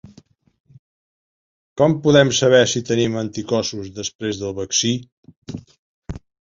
Com podem saber si tenim anticossos després del vaccí?